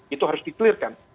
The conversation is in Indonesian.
itu harus di clear kan